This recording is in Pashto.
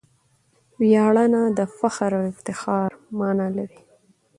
ویاړنه دفخر او افتخار مانا لري.